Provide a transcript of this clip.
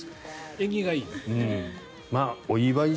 縁起がいい。